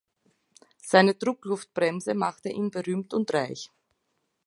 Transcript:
Seine Druckluftbremse machte ihn berühmt und reich.